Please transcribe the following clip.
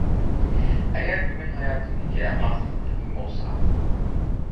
ئەگەر بۈگۈن ھاياتىمدىكى ئەڭ ئاخىرقى بىر كۈن بولسا.